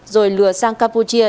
rồi lừa sang campuchia